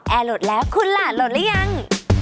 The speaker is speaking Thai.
แอร์โหลดแล้วคุณล่ะโหลดแล้วยัง